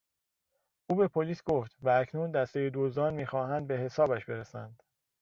او به پلیس گفت و اکنون دستهی دزدان میخواهند به حسابش برسند.